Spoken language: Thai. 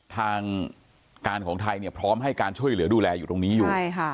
ทางการของไทยเนี่ยพร้อมให้การช่วยเหลือดูแลอยู่ตรงนี้อยู่